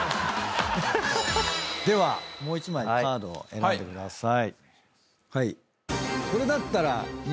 ではもう１枚カードを選んでください。